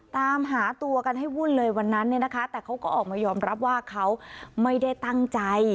ตามหาตัวกันให้วุ่นเลยวันนั้นเนี่ยนะคะแต่เขาก็ออกมายอมรับว่าเขาไม่ได้ตั้งใจ